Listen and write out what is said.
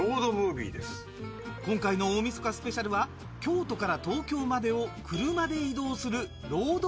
今回の大晦日スペシャルは京都から東京までを車で移動するロード